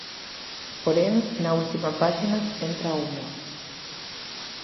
Porén, na última páxina entra o humor.